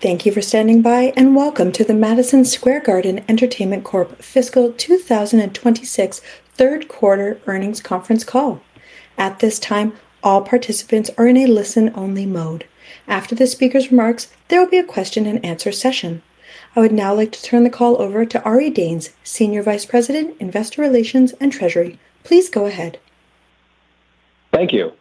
Thank you for standing by, welcome to the Madison Square Garden Entertainment Corp. fiscal 2026 third quarter earnings conference call. At this time, all participants are in a listen-only mode. After the speaker's remarks, there will be a question-and-answer session. I would now like to turn the call over to Ari Danes, Senior Vice President, Investor Relations and Treasury. Please go ahead. Thank you.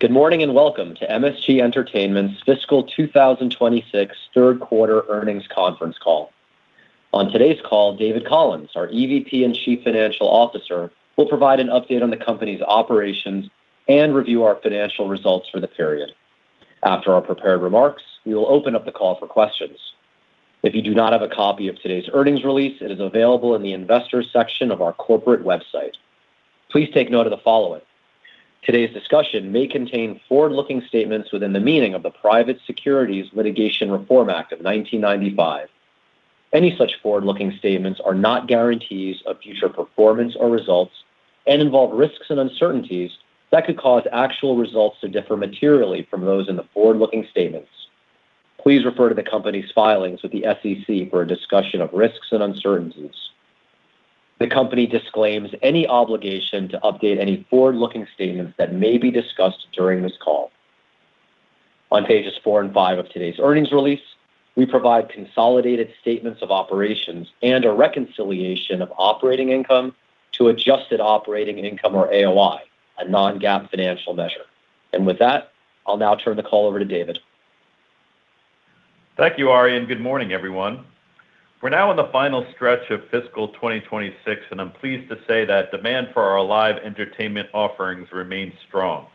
Good morning, and welcome to MSG Entertainment's fiscal 2026 third quarter earnings conference call. On today's call, David Collins, our EVP and Chief Financial Officer, will provide an update on the company's operations and review our financial results for the period. After our prepared remarks, we will open up the call for questions. If you do not have a copy of today's earnings release, it is available in the investors section of our corporate website. Please take note of the following. Today's discussion may contain forward-looking statements within the meaning of the Private Securities Litigation Reform Act of 1995. Any such forward-looking statements are not guarantees of future performance or results and involve risks and uncertainties that could cause actual results to differ materially from those in the forward-looking statements. Please refer to the company's filings with the SEC for a discussion of risks and uncertainties. The company disclaims any obligation to update any forward-looking statements that may be discussed during this call. On pages four and five of today's earnings release, we provide consolidated statements of operations and a reconciliation of operating income to adjusted operating income or AOI, a non-GAAP financial measure. With that, I'll now turn the call over to David. Thank you, Ari, and good morning, everyone. We're now in the final stretch of fiscal 2026, and I'm pleased to say that demand for our live entertainment offerings remains strong.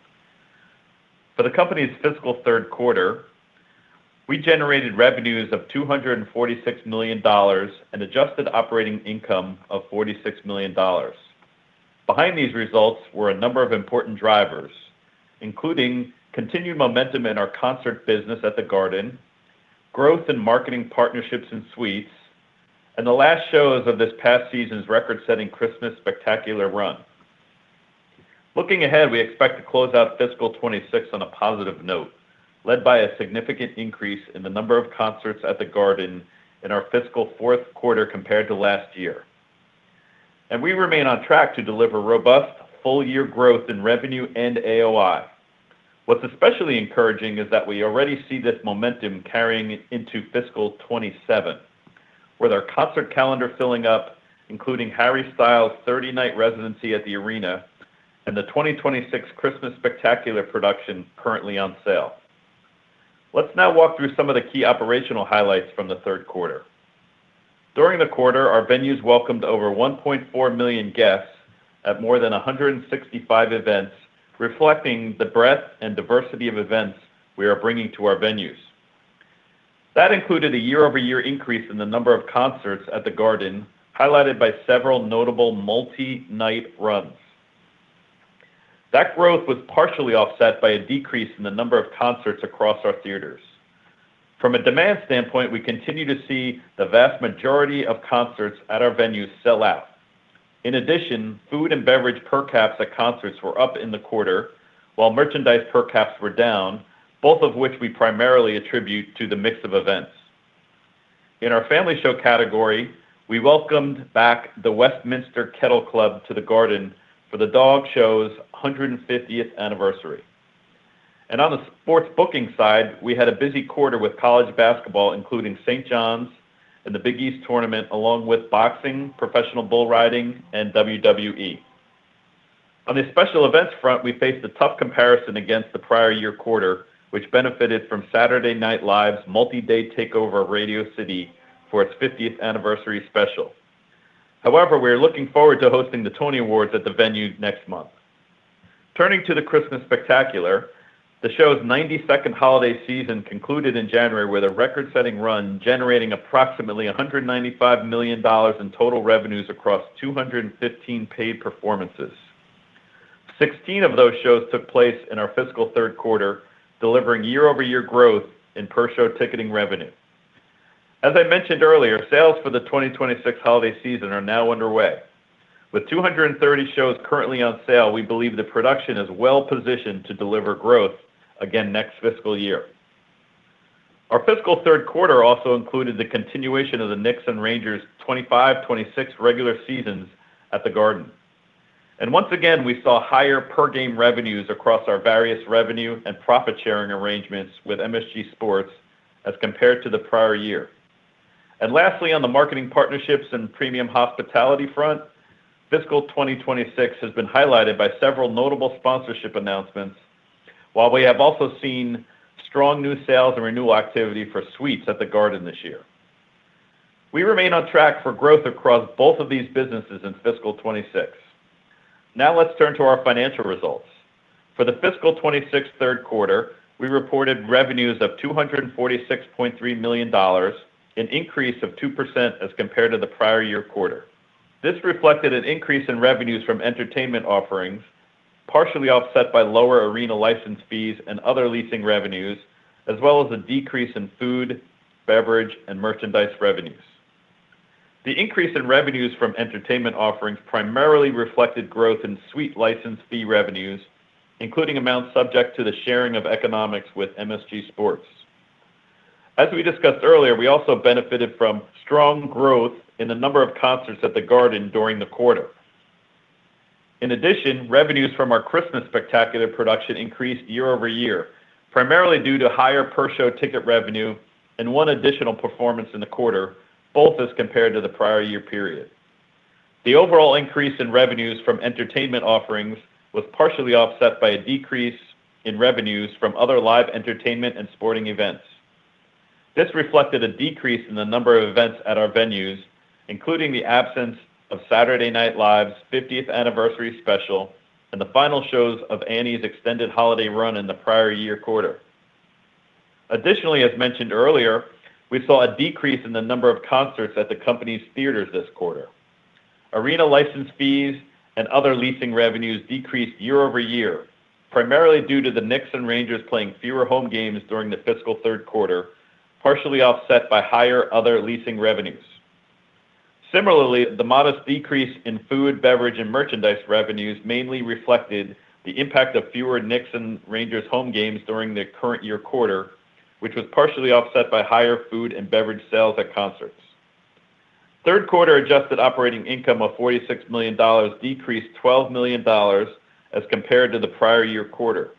For the company's fiscal third quarter, we generated revenues of $246 million and adjusted operating income of $46 million. Behind these results were a number of important drivers, including continued momentum in our concert business at The Garden, growth in marketing partnerships and suites, and the last shows of this past season's record-setting Christmas Spectacular run. Looking ahead, we expect to close out fiscal 2026 on a positive note, led by a significant increase in the number of concerts at The Garden in our fiscal fourth quarter compared to last year. We remain on track to deliver robust full-year growth in revenue and AOI. What's especially encouraging is that we already see this momentum carrying into fiscal 2027, with our concert calendar filling up, including Harry Styles' 30-night residency at the arena and the 2026 Christmas Spectacular production currently on sale. Let's now walk through some of the key operational highlights from the third quarter. During the quarter, our venues welcomed over 1.4 million guests at more than 165 events, reflecting the breadth and diversity of events we are bringing to our venues. That included a year-over-year increase in the number of concerts at The Garden, highlighted by several notable multi-night runs. That growth was partially offset by a decrease in the number of concerts across our theaters. From a demand standpoint, we continue to see the vast majority of concerts at our venues sell out. In addition, food and beverage per caps at concerts were up in the quarter, while merchandise per caps were down, both of which we primarily attribute to the mix of events. In our family show category, we welcomed back The Westminster Kennel Club to The Garden for the dog show's 150th anniversary. On the sports booking side, we had a busy quarter with college basketball, including St. John's and The Big East Tournament, along with boxing, professional bull riding, and WWE. On the special events front, we faced a tough comparison against the prior year quarter, which benefited from Saturday Night Live's multi-day takeover of Radio City for its 50th anniversary special. However, we are looking forward to hosting The Tony Awards at the venue next month. Turning to the Christmas Spectacular, the show's 92nd holiday season concluded in January with a record-setting run, generating approximately $195 million in total revenues across 215 paid performances. 16 of those shows took place in our fiscal third quarter, delivering year-over-year growth in per-show ticketing revenue. As I mentioned earlier, sales for the 2026 holiday season are now underway. With 230 shows currently on sale, we believe the production is well-positioned to deliver growth again next fiscal year. Our fiscal third quarter also included the continuation of the Knicks' and Rangers' 2025, 2026 regular seasons at The Garden. Once again, we saw higher per game revenues across our various revenue and profit-sharing arrangements with MSG Sports as compared to the prior year. Lastly, on the marketing partnerships and premium hospitality front, fiscal 2026 has been highlighted by several notable sponsorship announcements, while we have also seen strong new sales and renewal activity for suites at The Garden this year. We remain on track for growth across both of these businesses in fiscal 2026. Now let's turn to our financial results. For the fiscal 2026 third quarter, we reported revenues of $246.3 million, an increase of two percent as compared to the prior year quarter. This reflected an increase in revenues from entertainment offerings, partially offset by lower arena license fees and other leasing revenues, as well as a decrease in food, beverage, and merchandise revenues. The increase in revenues from entertainment offerings primarily reflected growth in suite license fee revenues, including amounts subject to the sharing of economics with MSG Sports. As we discussed earlier, we also benefited from strong growth in the number of concerts at the Garden during the quarter. In addition, revenues from our Christmas Spectacular production increased year-over-year, primarily due to higher per-show ticket revenue and one additional performance in the quarter, both as compared to the prior year period. The overall increase in revenues from entertainment offerings was partially offset by a decrease in revenues from other live entertainment and sporting events. This reflected a decrease in the number of events at our venues, including the absence of Saturday Night Live's 50th anniversary special and the final shows of Annie's extended holiday run in the prior year quarter. Additionally, as mentioned earlier, we saw a decrease in the number of concerts at the company's theaters this quarter. Arena license fees and other leasing revenues decreased year-over-year, primarily due to the Knicks and Rangers playing fewer home games during the fiscal third quarter, partially offset by higher other leasing revenues. Similarly, the modest decrease in food, beverage, and merchandise revenues mainly reflected the impact of fewer Knicks and Rangers home games during the current year quarter, which was partially offset by higher food and beverage sales at concerts. Third quarter adjusted operating income of $46 million decreased $12 million as compared to the prior year quarter.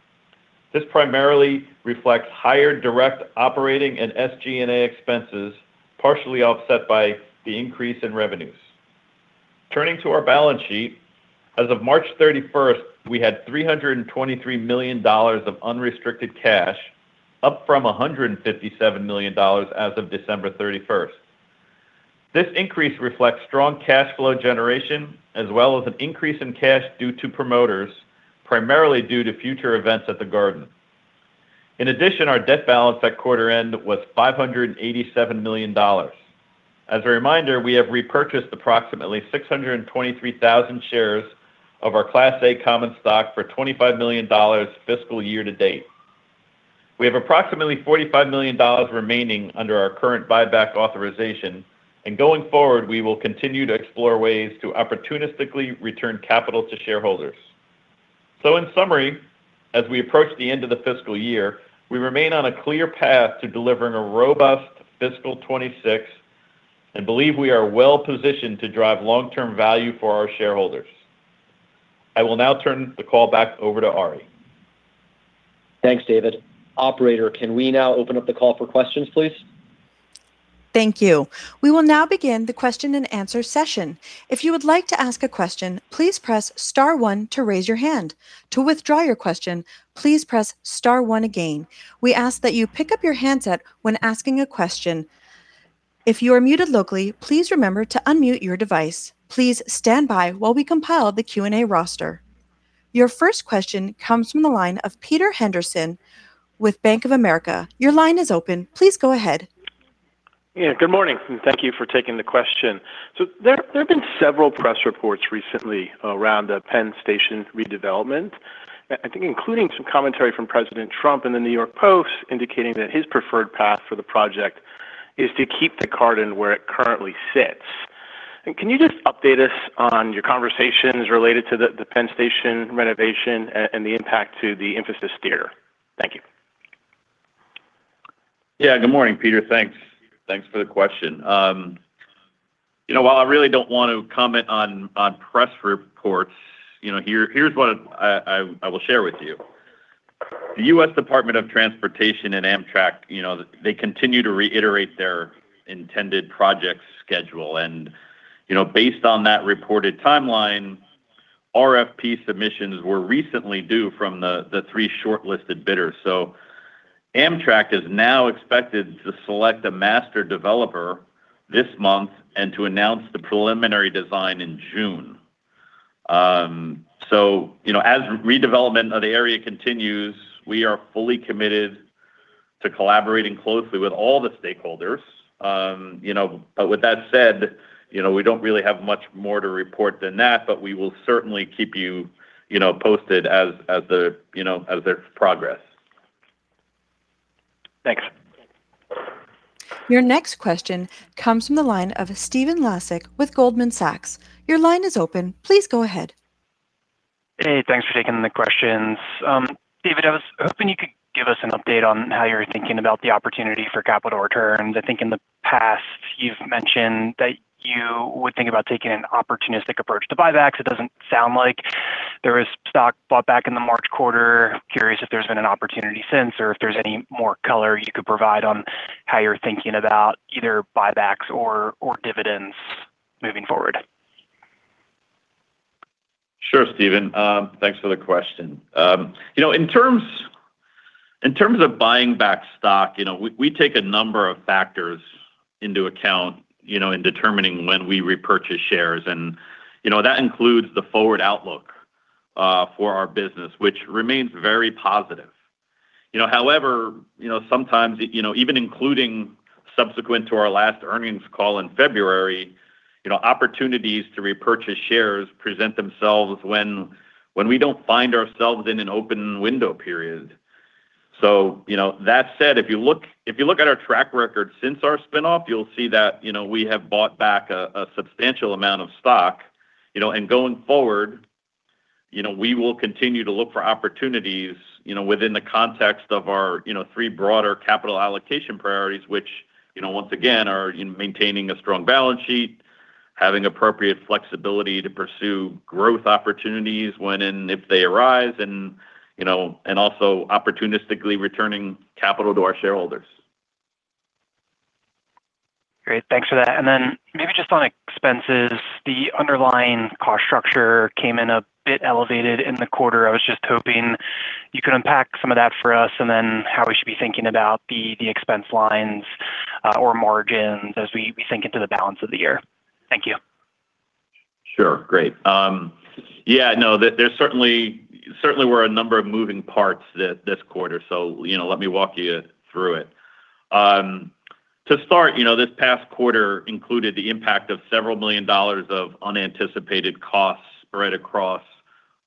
This primarily reflects higher direct operating and SG&A expenses, partially offset by the increase in revenues. Turning to our balance sheet, as of March 31st, we had $323 million of unrestricted cash, up from $157 million as of December 31st. This increase reflects strong cash flow generation, as well as an increase in cash due to promoters, primarily due to future events at The Garden. In addition, our debt balance at quarter end was $587 million. As a reminder, we have repurchased approximately 623,000 shares of our Class A common stock for $25 million fiscal year to date. We have approximately $45 million remaining under our current buyback authorization, and going forward, we will continue to explore ways to opportunistically return capital to shareholders. In summary, as we approach the end of the fiscal year, we remain on a clear path to delivering a robust fiscal 2026 and believe we are well-positioned to drive long-term value for our shareholders. I will now turn the call back over to Ari. Thanks, David. Operator, can we now open up the call for questions, please? Thank you. We will now begin the question and answer session. If you would like to ask a question, please press star one to raise your hand. To withdraw your question, please press star one again. We ask that you pick up your handset when asking a question. If you are muted locally, please remember to unmute your device. Please stand by while we compile the Q&A roster. Your first question comes from the line of Peter Henderson with Bank of America. Your line is open. Please go ahead. Yeah, good morning, and thank you for taking the question. There have been several press reports recently around the Penn Station redevelopment, I think including some commentary from President Trump in the New York Post indicating that his preferred path for the project is to keep the Garden where it currently sits. Can you just update us on your conversations related to the Penn Station renovation and the impact to the Infosys Theater? Thank you. Yeah, good morning, Peter. Thanks for the question. You know, while I really don't want to comment on press reports, you know, here's what I will share with you. The U.S. Department of Transportation and Amtrak, you know, they continue to reiterate their intended project schedule and, you know, based on that reported timeline, RFP submissions were recently due from the three shortlisted bidders. Amtrak is now expected to select a master developer this month and to announce the preliminary design in June. You know, as redevelopment of the area continues, we are fully committed to collaborating closely with all the stakeholders. You know, with that said, you know, we don't really have much more to report than that, we will certainly keep you know, posted as the, you know, as there's progress. Thanks. Your next question comes from the line of Stephen Laszczyk with Goldman Sachs. Your line is open. Please go ahead. Hey, thanks for taking the questions. David, I was hoping you could give us an update on how you're thinking about the opportunity for capital return. I think in the past you've mentioned that you would think about taking an opportunistic approach to buybacks. It doesn't sound like there was stock bought back in the March quarter. Curious if there's been an opportunity since or if there's any more color you could provide on how you're thinking about either buybacks or dividends moving forward. Sure, Stephen, thanks for the question. You know, in terms of buying back stock, you know, we take a number of factors into account, you know, in determining when we repurchase shares and, you know, that includes the forward outlook for our business, which remains very positive. You know, however, you know, sometimes, you know, even including subsequent to our last earnings call in February, you know, opportunities to repurchase shares present themselves when we don't find ourselves in an open window period. You know, that said, if you look at our track record since our spin-off, you'll see that, you know, we have bought back a substantial amount of stock, you know. Going forward, you know, we will continue to look for opportunities, you know, within the context of our, you know, three broader capital allocation priorities, which, you know, once again are in maintaining a strong balance sheet, having appropriate flexibility to pursue growth opportunities when and if they arise, and, you know, and also opportunistically returning capital to our shareholders. Great. Thanks for that. Maybe just on expenses, the underlying cost structure came in a bit elevated in the quarter. I was just hoping you could unpack some of that for us, how we should be thinking about the expense lines or margins as we sink into the balance of the year. Thank you. Sure. Great. There's certainly a number of moving parts this quarter, you know, let me walk you through it. To start, you know, this past quarter included the impact of $ several million of unanticipated costs right across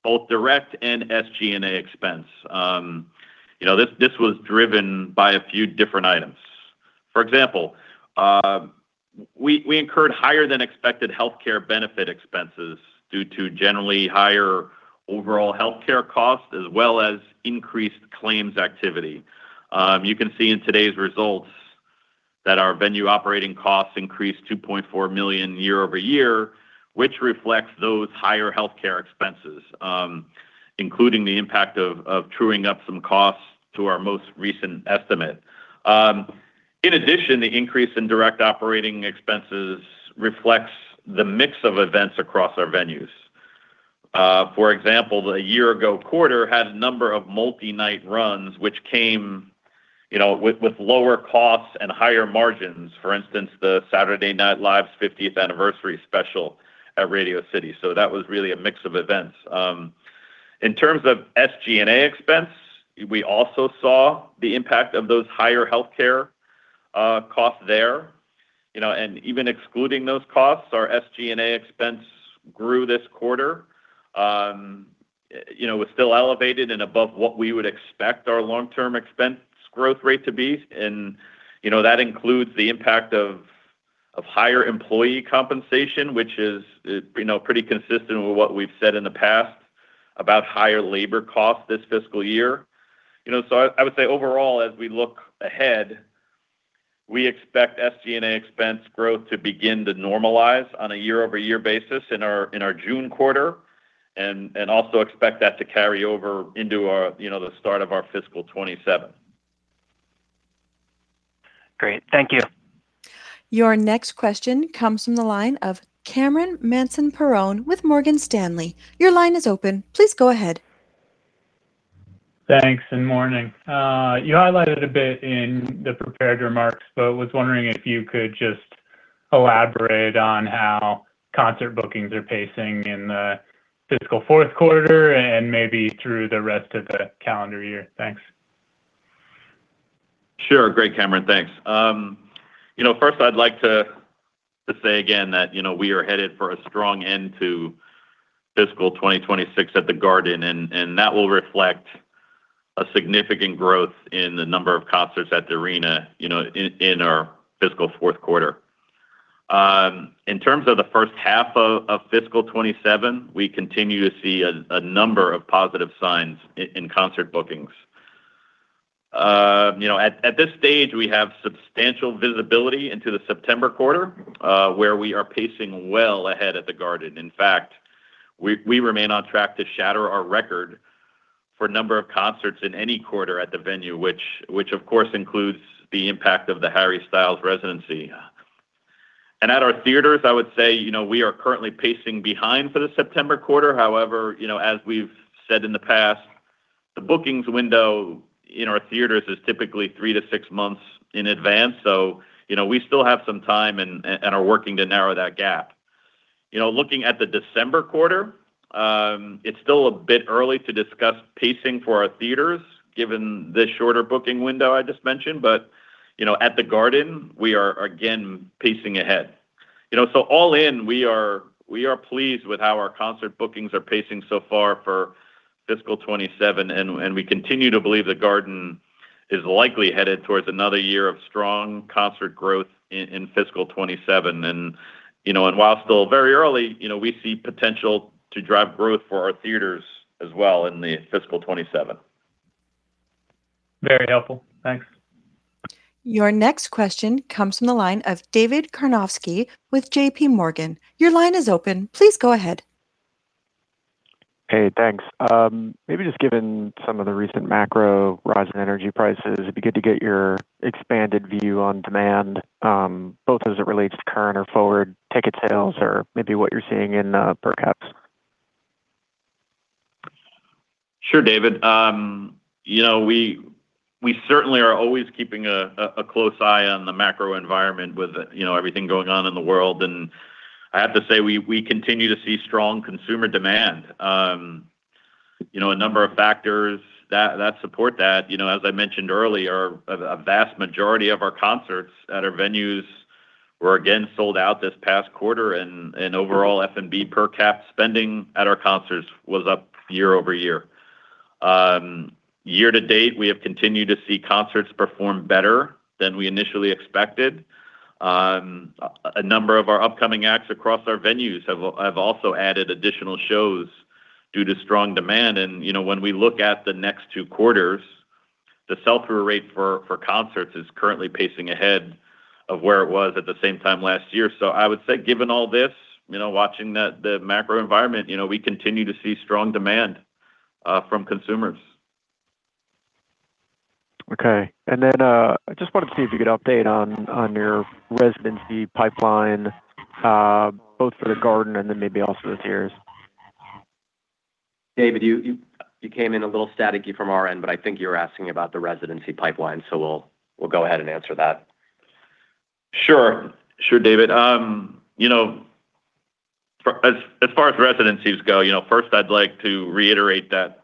both direct and SG&A expense. You know, this was driven by a few different items. For example, we incurred higher than expected healthcare benefit expenses due to generally higher overall healthcare costs as well as increased claims activity. You can see in today's results that our venue operating costs increased $2.4 million year-over-year, which reflects those higher healthcare expenses, including the impact of truing up some costs to our most recent estimate. In addition, the increase in direct operating expenses reflects the mix of events across our venues. For example, the year ago quarter had a number of multi-night runs which came, you know, with lower costs and higher margins. For instance, the Saturday Night Live's 50th anniversary special at Radio City. That was really a mix of events. In terms of SG&A expense, we also saw the impact of those higher healthcare costs there, you know. Even excluding those costs, our SG&A expense grew this quarter. You know, was still elevated and above what we would expect our long-term expense growth rate to be. You know, that includes the impact of higher employee compensation, which is, you know, pretty consistent with what we've said in the past about higher labor costs this fiscal year. You know, I would say overall, as we look ahead, we expect SG&A expense growth to begin to normalize on a year-over-year basis in our June quarter. Also expect that to carry over into our, you know, the start of our fiscal 2027. Great. Thank you. Your next question comes from the line of Cameron Mansson-Perrone with Morgan Stanley. Your line is open. Please go ahead. Thanks, and morning. You highlighted a bit in the prepared remarks, but was wondering if you could just elaborate on how concert bookings are pacing in the fiscal fourth quarter and maybe through the rest of the calendar year. Thanks. Sure. Great, Cameron. Thanks. You know, first I'd like to say again that, you know, we are headed for a strong end to fiscal 2026 at The Garden, that will reflect a significant growth in the number of concerts at The Arena, you know, in our fiscal fourth quarter. In terms of the first half of fiscal 2027, we continue to see a number of positive signs in concert bookings. You know, at this stage, we have substantial visibility into the September quarter, where we are pacing well ahead at The Garden. In fact, we remain on track to shatter our record for number of concerts in any quarter at the venue, which of course includes the impact of the Harry Styles residency. At our theaters, I would say, you know, we are currently pacing behind for the September quarter. However, you know, as we've said in the past, the bookings window in our theaters is typically three to six months in advance, so, you know, we still have some time and are working to narrow that gap. You know, looking at the December quarter, it's still a bit early to discuss pacing for our theaters given the shorter booking window I just mentioned, but, you know, at The Garden we are again pacing ahead. You know, all in, we are pleased with how our concert bookings are pacing so far for fiscal 2027, and we continue to believe The Garden is likely headed towards another year of strong concert growth in fiscal 2027. you know, and while still very early, you know, we see potential to drive growth for our theaters as well in the fiscal 2027. Very helpful. Thanks. Your next question comes from the line of David Karnovsky with JP Morgan. Your line is open. Please go ahead. Hey, thanks. Maybe just given some of the recent macro rise in energy prices, it'd be good to get your expanded view on demand, both as it relates to current or forward ticket sales or maybe what you're seeing in per caps. Sure, David. You know, we certainly are always keeping a close eye on the macro environment with, you know, everything going on in the world. I have to say we continue to see strong consumer demand. You know, a number of factors that support that, you know, as I mentioned earlier, a vast majority of our concerts at our venues. We're again sold out this past quarter and overall F&B per cap spending at our concerts was up year-over-year. Year-to-date, we have continued to see concerts perform better than we initially expected. A number of our upcoming acts across our venues have also added additional shows due to strong demand. You know, when we look at the next two quarters, the sell-through rate for concerts is currently pacing ahead of where it was at the same time last year. I would say given all this, you know, watching the macro environment, you know, we continue to see strong demand from consumers. Okay. I just wanted to see if you could update on your residency pipeline, both for the Garden and then maybe also the theaters. David, you came in a little staticky from our end, but I think you're asking about the residency pipeline, so we'll go ahead and answer that. Sure. Sure, David. you know, as far as residencies go, you know, first I'd like to reiterate that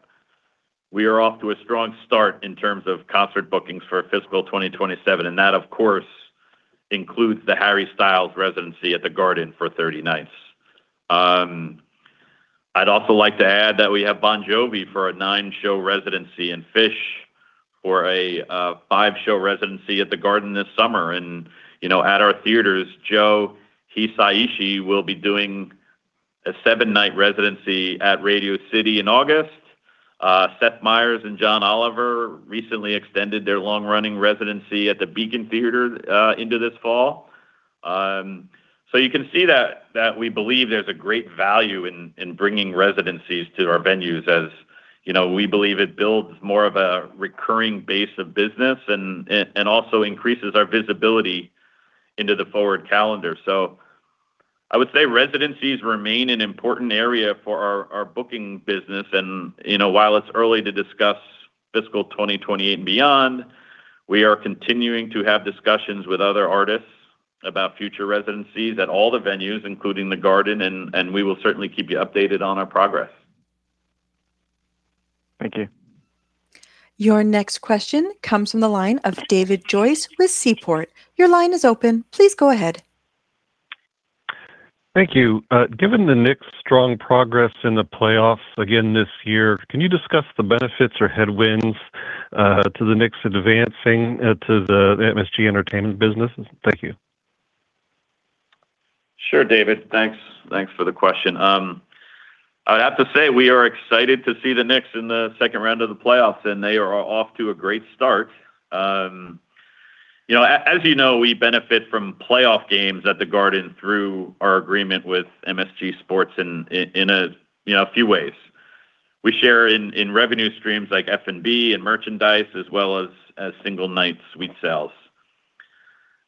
we are off to a strong start in terms of concert bookings for fiscal 2027, and that of course includes the Harry Styles residency at The Garden for 30 nights. I'd also like to add that we have Bon Jovi for a nine-show residency and Phish for a five-show residency at The Garden this summer. you know, at our theaters, Jo Koy will be doing a seven-night residency at Radio City in August. Seth Meyers and John Oliver recently extended their long-running residency at the Beacon Theatre into this fall. You can see that we believe there's a great value in bringing residencies to our venues, as, you know, we believe it builds more of a recurring base of business and also increases our visibility into the forward calendar. I would say residencies remain an important area for our booking business. You know, while it's early to discuss fiscal 2028 and beyond, we are continuing to have discussions with other artists about future residencies at all the venues, including The Garden, and we will certainly keep you updated on our progress. Thank you. Your next question comes from the line of David Joyce with Seaport. Your line is open. Please go ahead. Thank you. Given the Knicks' strong progress in the playoffs again this year, can you discuss the benefits or headwinds to the Knicks advancing to the MSG Entertainment business? Thank you. Sure, David. Thanks for the question. I have to say, we are excited to see the Knicks in the second round of the playoffs, and they are off to a great start. You know, as you know, we benefit from playoff games at The Garden through our agreement with MSG Sports in a, you know, a few ways. We share in revenue streams like F&B and merchandise as well as single-night suite sales.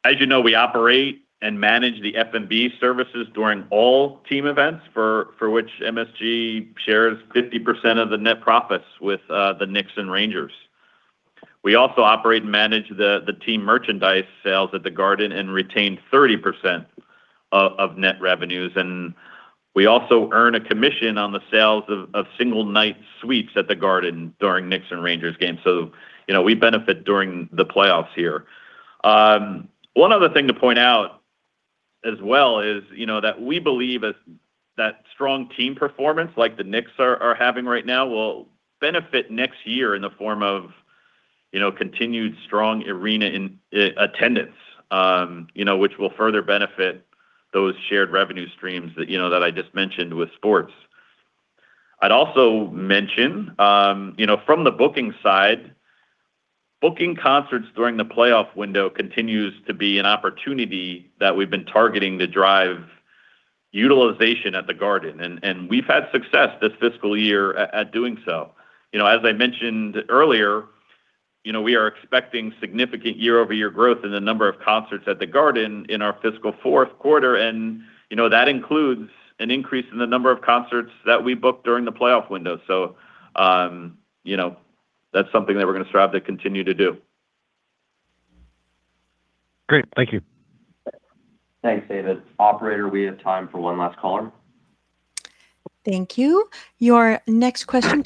As you know, we operate and manage the F&B services during all team events for which MSG shares 50% of the net profits with the Knicks and Rangers. We also operate and manage the team merchandise sales at The Garden and retain 30% of net revenues. We also earn a commission on the sales of single-night suites at The Garden during Knicks and Rangers games. You know, we benefit during the playoffs here. One other thing to point out as well is, you know, that we believe as that strong team performance, like the Knicks are having right now, will benefit next year in the form of, you know, continued strong arena attendance, you know, which will further benefit those shared revenue streams that, you know, that I just mentioned with sports. I'd also mention, you know, from the booking side, booking concerts during the playoff window continues to be an opportunity that we've been targeting to drive utilization at The Garden and we've had success this fiscal year at doing so. You know, as I mentioned earlier, we are expecting significant year-over-year growth in the number of concerts at The Garden in our fiscal fourth quarter. That includes an increase in the number of concerts that we book during the playoff window. You know, that's something that we're gonna strive to continue to do. Great. Thank you. Thanks, David. Operator, we have time for one last caller. Thank you. Your next question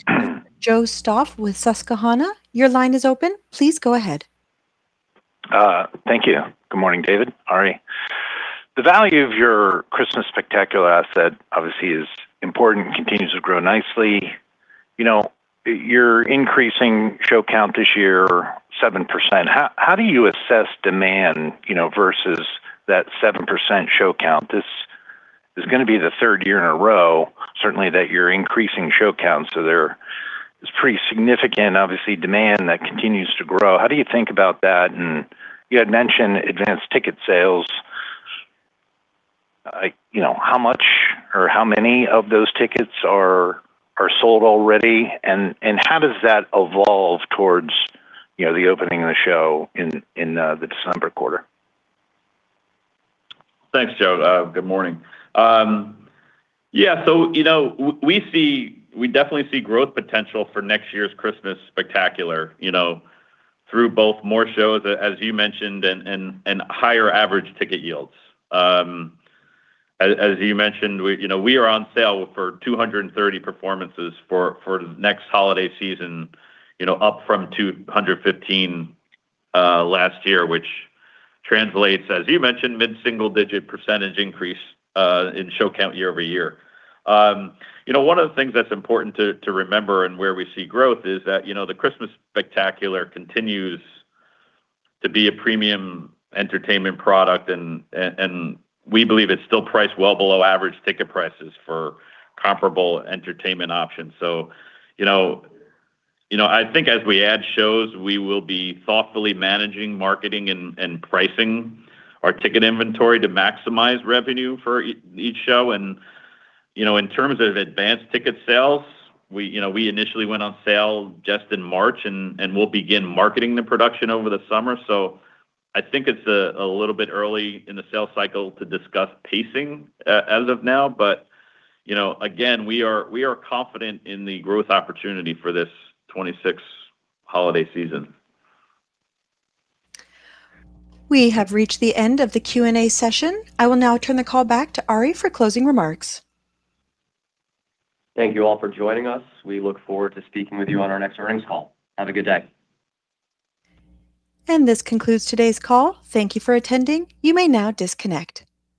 comes from Joseph Stauff with Susquehanna. Your line is open. Please go ahead. Thank you. Good morning, David, Ari. The value of your Christmas Spectacular obviously is important, continues to grow nicely. You know, you're increasing show count this year 7%. How do you assess demand, you know, versus that seven percent show count? This is gonna be the third year in a row certainly that you're increasing show count, so there is pretty significant obviously demand that continues to grow. How do you think about that? You had mentioned advanced ticket sales. You know, how much or how many of those tickets are sold already? How does that evolve towards, you know, the opening of the show in the December quarter? Thanks, Joe. Good morning. You know, we definitely see growth potential for next year's Christmas Spectacular, you know, through both more shows, as you mentioned, and higher average ticket yields. As, as you mentioned, we, you know, we are on sale for 230 performances for the next holiday season, you know, up from 215 last year, which translates, as you mentioned, mid-single digit percentage increase in show count year-over-year. You know, one of the things that's important to remember and where we see growth is that, you know, the Christmas Spectacular continues to be a premium entertainment product and we believe it's still priced well below average ticket prices for comparable entertainment options. You know, I think as we add shows, we will be thoughtfully managing marketing and pricing our ticket inventory to maximize revenue for each show. You know, in terms of advanced ticket sales, we initially went on sale just in March and we'll begin marketing the production over the summer. I think it's a little bit early in the sales cycle to discuss pacing as of now. You know, again, we are confident in the growth opportunity for this 2026 holiday season. We have reached the end of the Q&A session. I will now turn the call back to Ari for closing remarks. Thank you all for joining us. We look forward to speaking with you on our next earnings call. Have a good day. This concludes today's call. Thank you for attending. You may now disconnect.